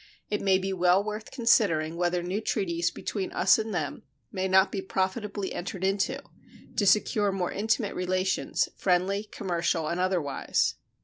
It may be well worth considering whether new treaties between us and them may not be profitably entered into, to secure more intimate relations friendly, commercial, and otherwise.